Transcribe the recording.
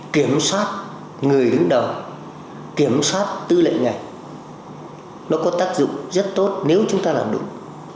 kiểm soát người đứng đầu kiểm soát tư lệnh ngành nó có tác dụng rất tốt nếu chúng ta làm đúng